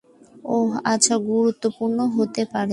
ওহ, আচ্ছা, গুরুত্বপূর্ণ হতে পারে।